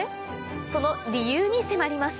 その理由に迫ります